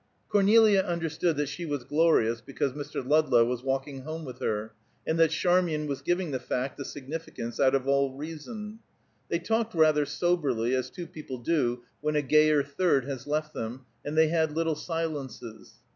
Cornelia understood that she was glorious because Mr. Ludlow was walking home with her, and that Charmian was giving the fact a significance out of all reason. They talked rather soberly, as two people do when a gayer third has left them, and they had little silences.